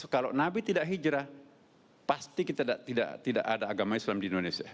kalau nabi tidak hijrah pasti kita tidak ada agama islam di indonesia